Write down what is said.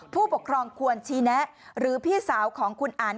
ผู้ปกครองควรชี้แนะหรือพี่สาวของคุณอัน